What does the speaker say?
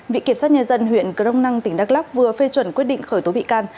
vị kiểm soát nhà dân huyện cơ đông năng tỉnh đắk lắk vừa phê chuẩn quyết định khởi tố bị can